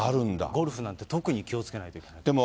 ゴルフなんて特に気をつけないといけないですね。